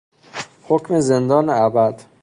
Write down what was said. حکم زندان ابد